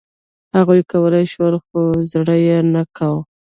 هغوی کولای شول، خو زړه یې نه کاوه.